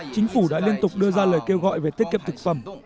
chính phủ đã liên tục đưa ra lời kêu gọi về tiết kiệm thực phẩm